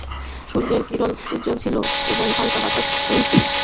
সূর্যের কিরন উজ্জল ছিল এবং হালকা বাতাস বইছিল।